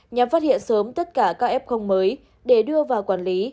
nhằm phát hiện sớm tất cả các f mới để đưa vào quản lý